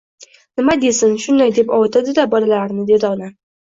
Nima desin, shunday deb ovutadi-da, bolalarini, dedi onam